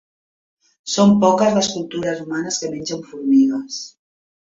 Són poques les cultures humanes que mengen formigues.